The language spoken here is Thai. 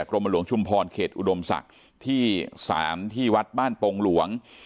รมหลวงชุมพรเขตอุดมศักดิ์ที่๓ที่วัดบ้านโปงหลวง